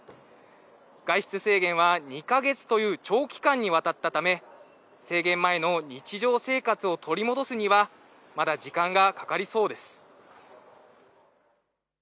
外出制限は２か月という長期間にわたったため制限前の日常生活を取り戻すにはまだ時間がかかりそうです。